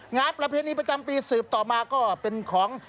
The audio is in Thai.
ประเพณีประจำปีสืบต่อมาก็เป็นของ